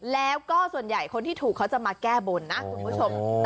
แล้วก็ส่วนใหญ่คนที่ถูกเขาจะมาแก้บนนะคุณผู้ชม